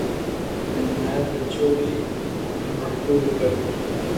ھين ماري ٻچو ري بو پوري ڪروي